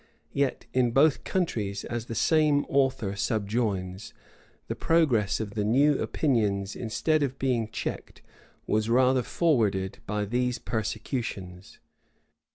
Yet in both countries, as the same author subjoins, the progress of the new opinions instead of being checked, was rather forwarded by these persecutions.